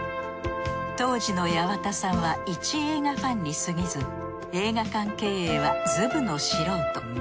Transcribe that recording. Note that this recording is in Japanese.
当時の八幡さんはいち映画ファンにすぎず映画館経営はずぶの素人。